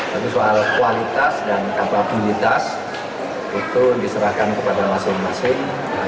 tapi soal kualitas dan kapabilitas itu diserahkan kepada masing masing